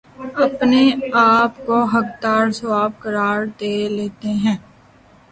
اپنے آپ کو حقدار ثواب قرار دے لیتےہیں